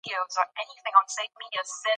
هندوکش د ماشومانو د لوبو موضوع ده.